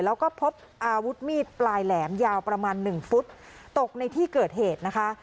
แล้วก็พบอาวุธมีดปลายแหลมยาวประมาณหนึ่งฟุตตกในที่เกิดเหตุนะคะ